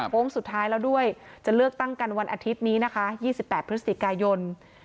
โค้งสุดท้ายแล้วด้วยจะเลือกตั้งกันวันอาทิตย์นี้นะคะ๒๘พฤศจิกายน